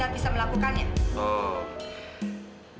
udah gak pergi kak pergi